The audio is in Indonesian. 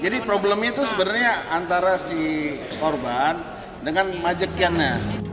jadi problemnya itu sebenarnya antara si korban dengan majikannya